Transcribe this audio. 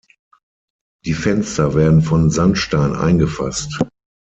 Die Fenster werden von Sandstein eingefasst.